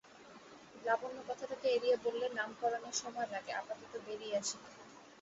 লাবণ্য কথাটাকে এড়িয়ে বললে, নামকরণে সময় লাগে, আপাতত বেড়িয়ে আসি গে।